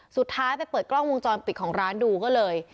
สุดท้ายไปเปิดกล้องวงจรปิดของร้านดูก็เลย